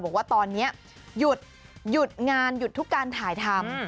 บอกว่าตอนนี้หยุดงานหยุดทุกการถ่ายทำ